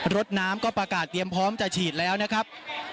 รถน้ำก็ประกาศเตรียมพร้อมจะฉีดแล้วนะครับ